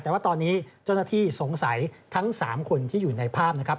แต่ว่าตอนนี้เจ้าหน้าที่สงสัยทั้ง๓คนที่อยู่ในภาพนะครับ